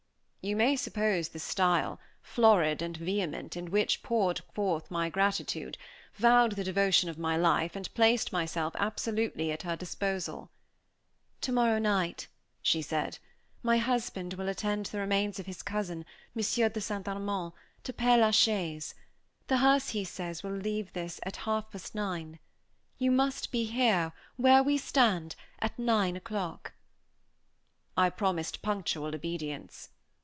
You may suppose the style, florid and vehement, in which poured forth my gratitude, vowed the devotion of my life, and placed myself absolutely at her disposal. "Tomorrow night," she said, "my husband will attend the remains of his cousin, Monsieur de St. Amand, to Père la Chaise. The hearse, he says, will leave this at half past nine. You must be here, where we stand, at nine o'clock." I promised punctual obedience.